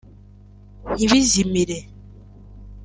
ntibizimire